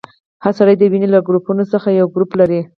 هر سړی د وینې له ګروپونو څخه یو ګروپ لري.